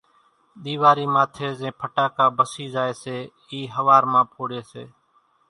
ۮيواري ماٿي زين ڦٽاڪا ڀسي زائي سيِ اِي ۿوار مان ڦوڙي سي